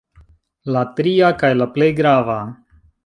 La tria, kaj la plej grava.